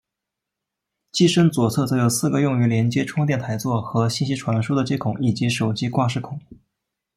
机身左侧则有四个用于连接充电台座和信息传输的接孔以及手机挂饰孔。